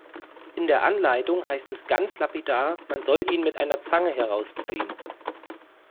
In der Anleitung heißt es ganz lapidar, man soll ihn mit einer Zange herausziehen.